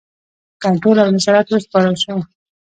کنټرول او نظارت وسپارل شو.